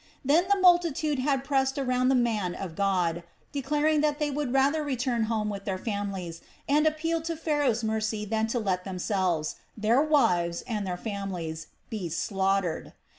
Then the multitude had pressed around the man of God, declaring that they would rather return home with their families and appeal to Pharaoh's mercy than to let themselves, their wives, and their families be slaughtered.